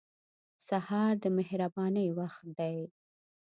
سهار د مهربانۍ وخت دی.